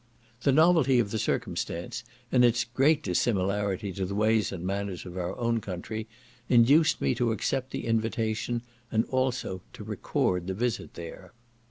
The novelty of the circumstance, and its great dissimilarity to the ways and manners of our own country, induced me to accept the invitation, and also to record the visit here.